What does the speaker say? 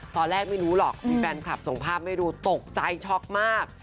ตอนแรกไม่รู้หรอกมีแฟนคลับส่งภาพให้ดูตกใจช็อกมาก